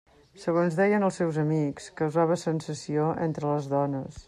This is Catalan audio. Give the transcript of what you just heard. Segons deien els seus amics, causava sensació entre les dones.